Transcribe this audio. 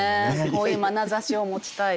こういうまなざしを持ちたいです。